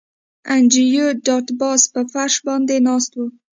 انډریو ډاټ باس په فرش باندې ناست و